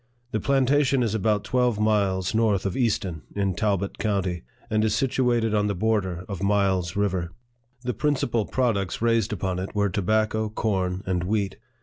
The planta tion is about twelve miles north of Easton, in Talbot county, and is situated on the border of Miles River. The principal products raised upon it were tobacco, corn, and wheat.